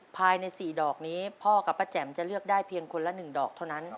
ภายใน๔ดอกนี้พ่อกับป้าแจ๋มจะเลือกได้เพียงคนละ๑ดอกเท่านั้น